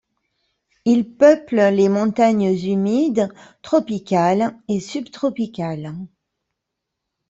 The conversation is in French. Il peuple les montagnes humides tropicales et subtropicales.